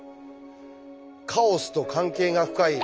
カオスと関係が深い